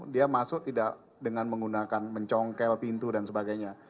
dia masuk tidak dengan menggunakan mencongkel pintu dan sebagainya